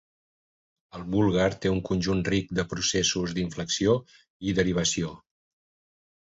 El búlgar té un conjunt ric de processos d'inflexió i derivació.